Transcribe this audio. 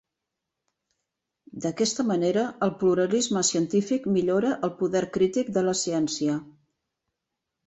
D'aquesta manera, el pluralisme científic millora el poder crític de la ciència.